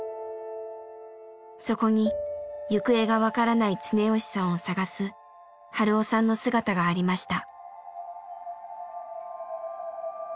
そこに行方が分からない常吉さんを捜す春雄さんの姿がありました。